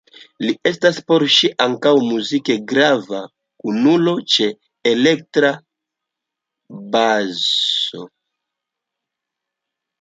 Li estas por ŝi ankaŭ muzike grava kunulo ĉe elektra baso.